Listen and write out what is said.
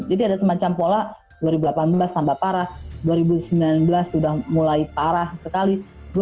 jadi ada semacam pola dua ribu delapan belas tambah parah dua ribu sembilan belas sudah mulai parah sekali